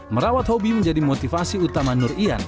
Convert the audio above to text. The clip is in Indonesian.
merawat hobi menjadi motivasi utama nur ian